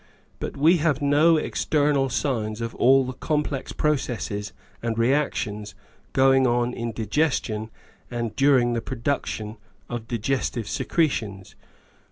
But we have no external signs of all the complex processes and reactions going on in digestion and during the production of digestive secretions.